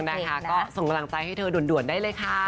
นะคะก็ส่งกำลังใจให้เธอด่วนได้เลยค่ะ